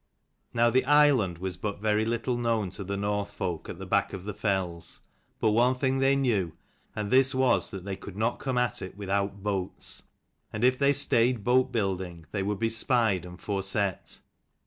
Now the island was but very little known to the North folk at the back of the fells ; but one thing they knew, and this was that they could not come at it without boats : and if they stayed boat building they would be spied and foreset.